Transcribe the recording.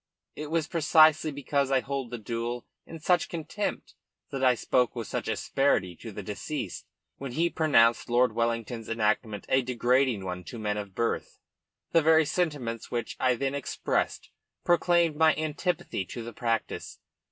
It was precisely because I hold the duel in such contempt that I spoke with such asperity to the deceased when he pronounced Lord Wellington's enactment a degrading one to men of birth. The very sentiments which I then expressed proclaimed my antipathy to the practice.